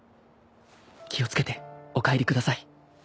気を付けてお帰りください。